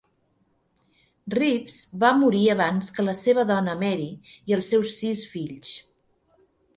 Reeves va morir abans que la seva dona Mary i els seus sis fills.